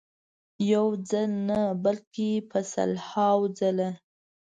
یو ځل نه بلکې په سلهاوو ځله.